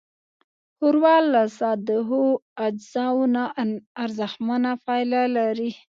ښوروا له سادهو اجزاوو نه ارزښتمنه پايله لري.